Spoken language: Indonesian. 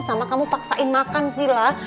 sama kamu paksain makan sih lah